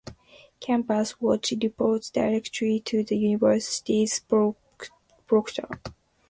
Campus Watch reports directly to the University's Proctor.